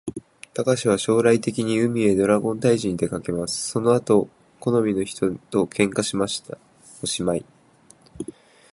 たかしは将来的に、海へドラゴン退治にでかけます。その後好みの人と喧嘩しました。おしまい